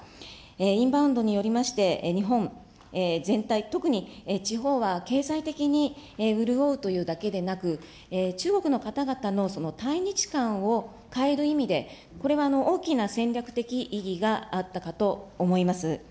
インバウンドによりまして、日本全体、特に地方は経済的に潤うというだけでなく、中国の方々の対日観を変える意味で、これは大きな戦略的意義があったかと思います。